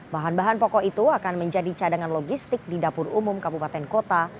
bahan bahan pokok itu akan menjadi cadangan logistik di dapur umum kabupaten kota